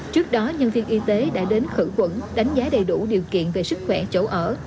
trước đó nhân viên y tế đã đến khử quẩn đánh giá đầy đủ điều kiện về sức khỏe chỗ ở